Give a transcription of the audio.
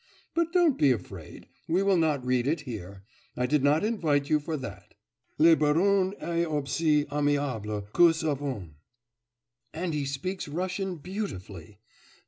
... But don't be afraid; we will not read it here.... I did not invite you for that. Le baron est aussi aimable que savant. And he speaks Russian beautifully!